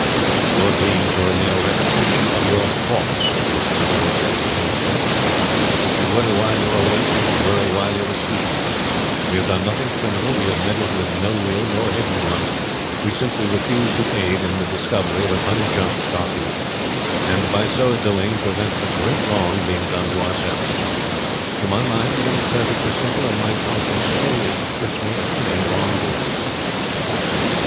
"Your dreams are a mere repetition of your thoughts," Miss Penfold said scornfully. "If you worry while you are awake, you will worry while you are asleep. We have done nothing criminal. We have meddled with no will, nor hidden one. We simply refuse to aid in the discovery of an unjust document, and by so doing prevent a great wrong being done to ourselves. To my mind the thing is perfectly simple, and my conscience wholly acquits me of any wrong doing."